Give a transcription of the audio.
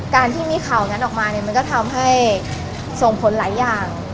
การที่มีข่าวนั้นออกมาเนี่ยมันก็ทำให้ส่งผลหลายอย่าง